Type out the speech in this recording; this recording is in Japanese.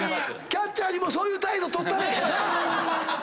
キャッチャーにもそういう態度取ったれやな。